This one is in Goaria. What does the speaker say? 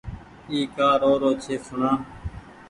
اي ڪآ رو رو ڇي سوڻآ